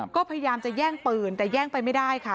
ก็พยายามจะแย่งปืนแต่แย่งไปไม่ได้ค่ะ